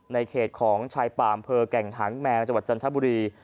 ในเขตของชายปามเภอแก่งหางแมวจังหวัดจันทบุรี